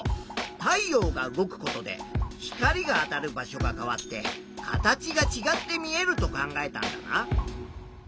太陽が動くことで光があたる場所が変わって形がちがって見えると考えたんだな。